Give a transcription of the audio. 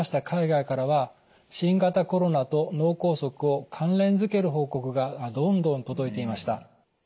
海外からは新型コロナと脳梗塞を関連づける報告がどんどん届いていました。